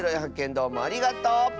どうもありがとう！